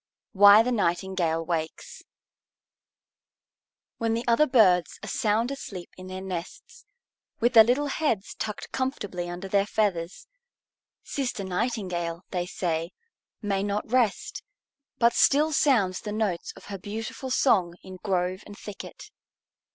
WHY THE NIGHTINGALE WAKES When the other birds are sound asleep in their nests, with their little heads tucked comfortably under their feathers, Sister Nightingale, they say, may not rest, but still sounds the notes of her beautiful song in grove and thicket.